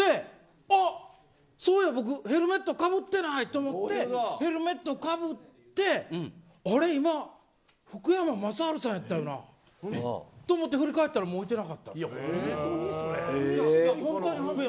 そういえば僕ヘルメットかぶってないと思ってヘルメットかぶってあれ今福山雅治さんやったよなと思って振り返ったらもういてなかった。